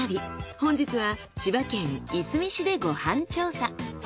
本日は千葉県いすみ市でご飯調査。